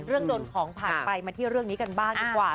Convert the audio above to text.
โดนของผ่านไปมาที่เรื่องนี้กันบ้างดีกว่า